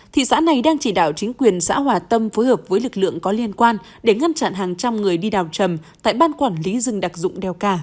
thị xã này đang chỉ đạo chính quyền xã hòa tâm phối hợp với lực lượng có liên quan để ngăn chặn hàng trăm người đi đào trầm tại ban quản lý rừng đặc dụng đèo cả